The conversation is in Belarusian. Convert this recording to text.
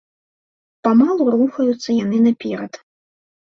Памалу рухаюцца яны наперад.